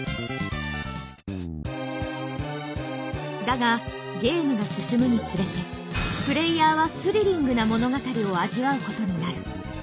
だがゲームが進むにつれてプレイヤーはスリリングな物語を味わうことになる。